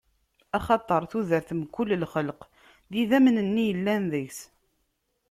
Axaṭer tudert n mkul lxelq, d idammen-nni yellan deg-s.